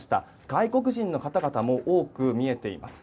外国人の方々も多く見えています。